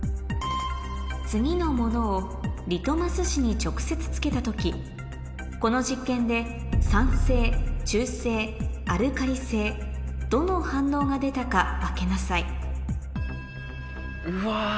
次のものをリトマス紙に直接つけた時この実験で酸性中性アルカリ性どの反応が出たか分けなさい